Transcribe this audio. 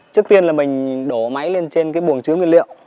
trước tiên là mình đổ máy lên trên cái buồng chứa nguyên liệu